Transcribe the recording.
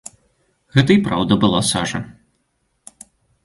Гэта і праўда была сажа.